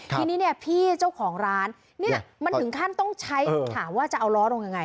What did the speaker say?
ทีนี้เนี่ยพี่เจ้าของร้านเนี่ยมันถึงขั้นต้องใช้ถามว่าจะเอาล้อลงยังไง